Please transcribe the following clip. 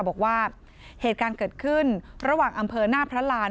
บอกว่าเหตุการณ์เกิดขึ้นระหว่างอำเภอหน้าพระราน